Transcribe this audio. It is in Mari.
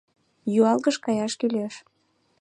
- Юалгыш каяш кӱлеш.